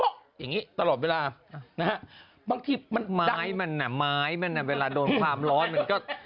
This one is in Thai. อย่างนี้ตลอดเวลานะฮะบางทีมันไม้มันอ่ะไม้มันเวลาโดนความร้อนมันก็